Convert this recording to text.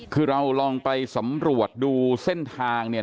คือเราลองไปสำรวจดูเส้นทางเนี่ย